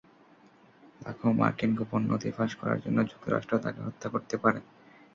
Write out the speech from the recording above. লাখো মার্কিন গোপন নথি ফাঁস করার জন্য যুক্তরাষ্ট্র তাঁকে হত্যা করতে পারে।